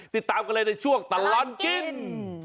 ติดตามกันเลยในช่วงตลอดกิน